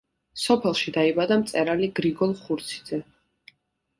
სოფელში დაიბადა მწერალი გრიგოლ ხურციძე.